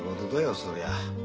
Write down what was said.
そりゃ。